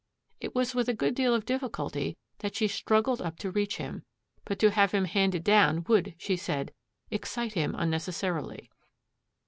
It was with a good deal of difficulty that she struggled up to reach him, but to have him handed down would, she said, excite him unnecessarily.